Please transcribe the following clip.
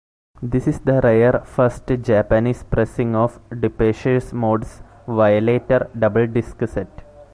This is the rare first Japanese pressing of Depeche Mode's "Violator" double-disc set.